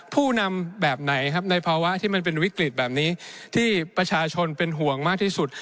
ผู้นำแบบไหนครับในภาวะที่มันเป็นวิกฤตแบบนี้ที่ประชาชนเป็นห่วงมากที่สุด